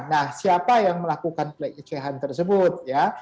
nah siapa yang melakukan pelecehan tersebut ya